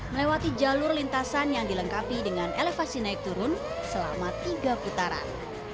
melewati jalur lintasan yang dilengkapi dengan elevasi naik turun selama tiga putaran